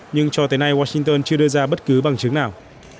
nhưng cho tới nay washington chưa đưa ra bất cứ bằng chứng nào